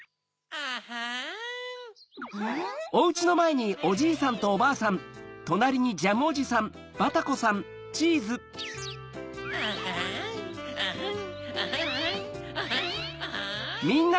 アハンアハンアハン！